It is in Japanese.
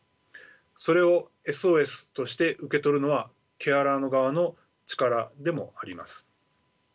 それをＳＯＳとして受け取るのはケアラーの側の力でもあります。